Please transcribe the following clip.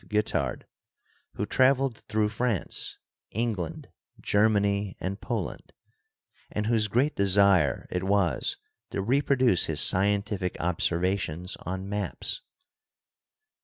Guettard, who traveled through France, England, Germany and Poland, and whose great desire it was to reproduce his scientific observations on maps.